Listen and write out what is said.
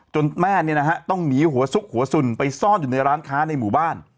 แม่ต้องหนีหัวซุกหัวสุ่นไปซ่อนอยู่ในร้านค้าในหมู่บ้าน